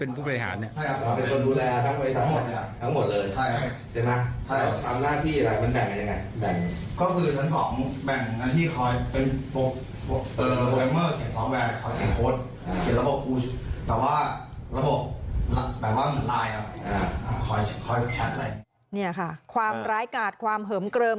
นี่ค่ะความร้ายกาดความเหิมเกลิม